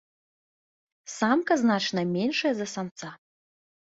Самка значна меншая за самца.